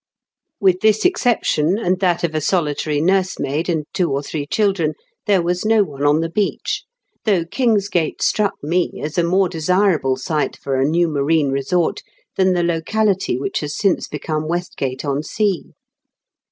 With this exception, and that of a solitary nursemaid and two or three children, there was no one on the beach ; though Kingsgate struck me as a more desirable site for a new marine resort than the locality which has since become Westgate on Sea.